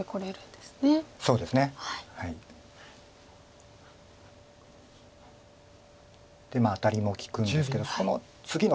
でアタリも利くんですけどその次の手です